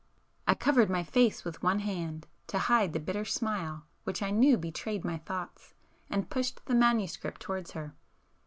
I covered my face with one hand to hide the bitter smile which I knew betrayed my thoughts, and pushed the manuscript towards her.